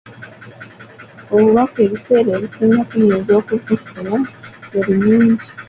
Obubaka ebiseera ebisinga tuyinza okubufuna mu ngeri nyingi.